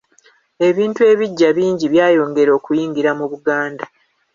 Ebintu ebiggya bingi byayongera okuyingira mu Buganda.